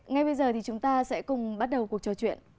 ngay bây giờ thì chúng ta sẽ cùng bắt đầu cuộc trò chuyện